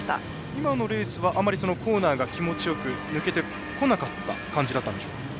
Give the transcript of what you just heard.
今のレースは、そんなにコーナーが気持ちよく抜けてこなかった感じだったんでしょうか？